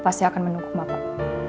pasti akan menunggu bapak